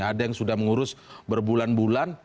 ada yang sudah mengurus berbulan bulan